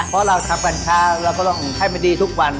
เพราะเราทำการค้าเราก็ต้องให้มันดีทุกวัน